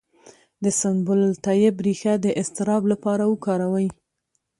د سنبل الطیب ریښه د اضطراب لپاره وکاروئ